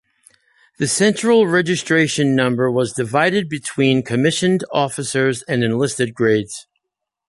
The Central Registration Number was divided between commissioned officers and enlisted grades.